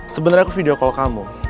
sebenarnya aku video call kamu